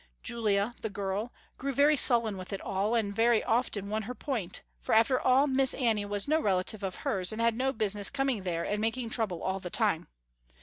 Julia, the girl, grew very sullen with it all, and very often won her point, for after all Miss Annie was no relative of hers and had no business coming there and making trouble all the time.